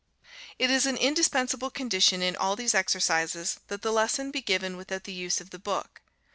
It is an indispensable condition in all these exercises that the lesson be given without the use of the book.